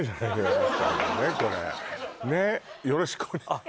ねっよろしくお願いいたします